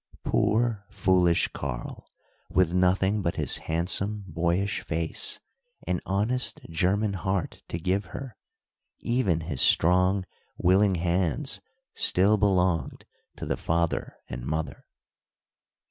Poor, foolish Karl! with nothing but his handsome boyish face and honest German heart to give her, even his strong willing hands still belonged to the father and mother.